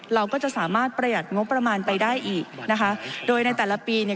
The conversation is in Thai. เราก็จะสามารถประหยัดงบประมาณไปได้อีกนะคะโดยในแต่ละปีเนี่ย